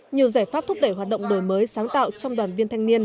nhiều giải pháp thúc đẩy hoạt động đổi mới sáng tạo trong đoàn viên thanh niên